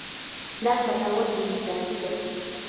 دا قضاوت بې انصافي ده.